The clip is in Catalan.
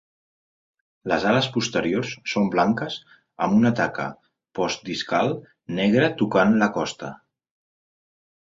Les ales posteriors són blanques amb una taca postdiscal negra tocant la costa.